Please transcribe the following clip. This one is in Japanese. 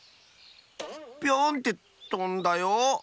ピョン！ってとんだよ。